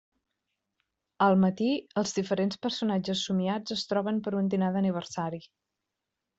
Al matí, els diferents personatges somiats es troben per un dinar d'aniversari.